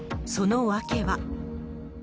その訳は。